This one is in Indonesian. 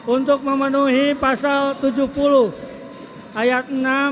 untuk memenuhi pasal tujuh puluh ayat enam